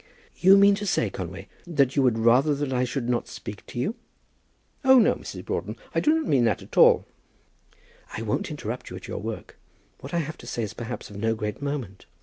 "You mean to say, Conway, that you would rather that I should not speak to you." "Oh, no, Mrs. Broughton, I did not mean that at all." "I won't interrupt you at your work. What I have to say is perhaps of no great moment.